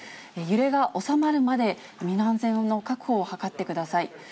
揺れが収まるまで、身の安全の確保を図ってください。